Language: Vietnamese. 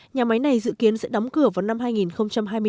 nhà máy này dự kiến sẽ đóng cửa vào năm hai nghìn hai mươi bốn